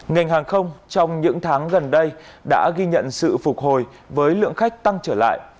ngành hàng không trong những tháng gần đây đã ghi nhận sự phục hồi với lượng khách tăng trở lại